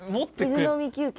水飲み休憩？